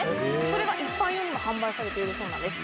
それが一般用にも販売されているそうなんです